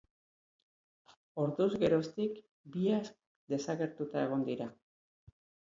Orduz geroztik biak desagertuta egon dira.